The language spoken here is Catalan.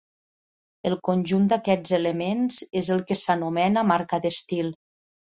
El conjunt d’aquests elements és el que s’anomena marca d’estil.